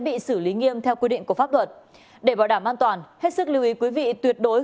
bị xử lý nghiêm theo quy định của pháp luật để bảo đảm an toàn hết sức lưu ý quý vị tuyệt đối